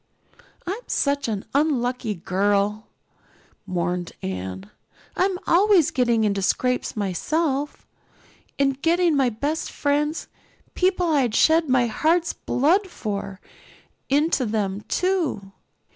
"I'm such an unlucky girl," mourned Anne. "I'm always getting into scrapes myself and getting my best friends people I'd shed my heart's blood for into them too.